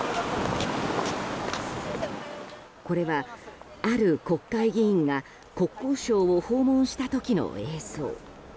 これは、ある国会議員が国交省を訪問した時の映像。